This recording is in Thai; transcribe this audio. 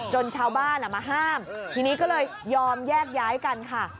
ชาวบ้านมาห้ามทีนี้ก็เลยยอมแยกย้ายกันค่ะ